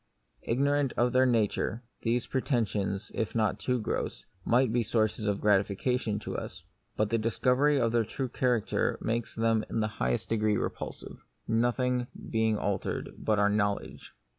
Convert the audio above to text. Ignorant of their nature, these pretensions (if not too gross) might be sources of gratification to us ; but the discovery of their true character makes them in the highest degree repulsive, nothing being altered but our knowledge.